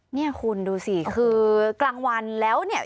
เนี่ยคุณดูสิคือกลางวันแล้วเนี่ย